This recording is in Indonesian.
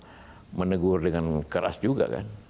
ya presiden menegur dengan keras juga kan